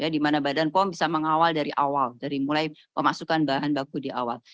di mana badan pom bisa mengawal dari awal dari mulai pemasukan bahan baku di awal